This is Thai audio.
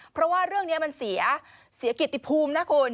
เพราะว่าเรื่องนี้มันเสียกิจภูมินะคุณ